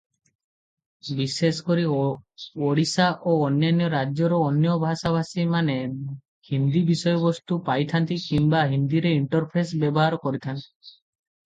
ବିଶେଷକରି ଓଡ଼ିଶା ଓ ଅନ୍ୟାନ୍ୟ ରାଜ୍ୟର ଅନ୍ୟ ଭାଷାଭାଷୀମାନେ ହିନ୍ଦୀ ବିଷୟବସ୍ତୁ ପାଇଥାନ୍ତି କିମ୍ବା ହିନ୍ଦୀରେ ଇଣ୍ଟରଫେସ୍ ବ୍ୟବହାର କରିଥାନ୍ତି ।